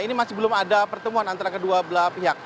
ini masih belum ada pertemuan antara kedua belah pihak